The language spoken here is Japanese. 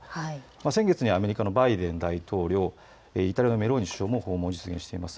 先月にアメリカのバイデン大統領、イタリアのメローニ首相の訪問が実現しています。